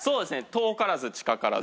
遠からず近からず。